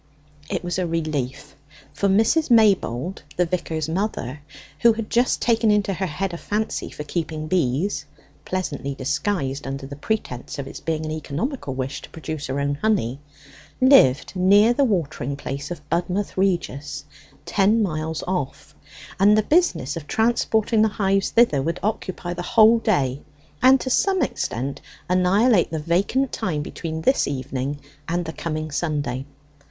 It was a relief; for Mrs. Maybold, the vicar's mother, who had just taken into her head a fancy for keeping bees (pleasantly disguised under the pretence of its being an economical wish to produce her own honey), lived near the watering place of Budmouth Regis, ten miles off, and the business of transporting the hives thither would occupy the whole day, and to some extent annihilate the vacant time between this evening and the coming Sunday.